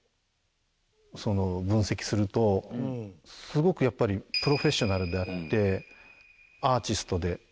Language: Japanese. すごくやっぱりプロフェッショナルであってアーティストである。